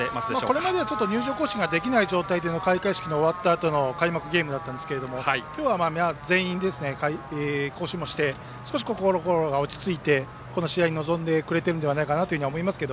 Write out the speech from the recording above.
これまで入場行進ができない中での開会式が終わった中での開幕ゲームだったんですが今日は全員行進もして少し、心が落ち着いて迎えてくれてるんじゃないかと思います。